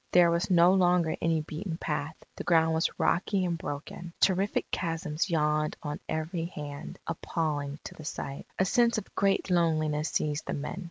There was no longer any beaten path; the ground was rocky and broken. Terrific chasms yawned on every hand, appalling to the sight. A sense of great loneliness seized the men.